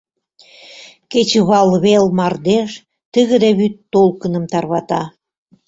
Кечывалвел мардеж тыгыде вӱд толкыным тарвата.